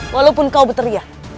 walaupun kau berteriak